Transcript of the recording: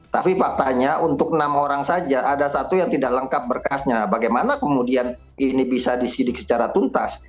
tapi faktanya untuk enam orang saja ada satu yang tidak lengkap berkasnya bagaimana kemudian ini bisa disidik secara tuntas